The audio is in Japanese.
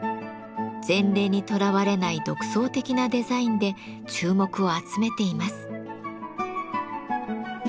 前例にとらわれない独創的なデザインで注目を集めています。